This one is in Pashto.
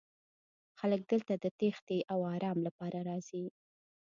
خلک دلته د تیښتې او ارام لپاره راځي